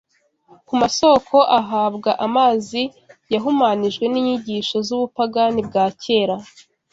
ku masōko ahabwa amazi yahumanijwe n’inyigisho z’ubupagani bwa kera